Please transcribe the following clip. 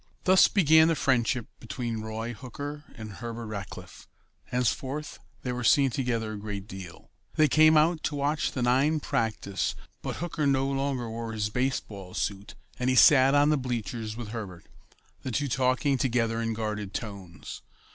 Thus began the friendship between Roy Hooker and Herbert Rackliff. Henceforth they were seen together a great deal. They came out to watch the nine practice, but Hooker no longer wore his baseball suit, and he sat on the bleachers with Herbert, the two talking together in guarded tones.